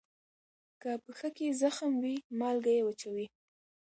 که پښه کې زخم وي، مالګه یې وچوي.